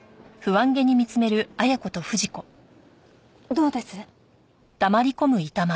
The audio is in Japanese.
どうです？